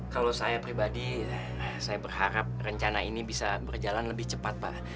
kalau saya pribadi saya berharap rencana ini bisa berjalan lebih cepat pak